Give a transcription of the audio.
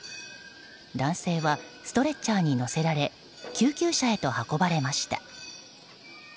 男性はストレッチャーに乗せられ救急車へと運ばれました。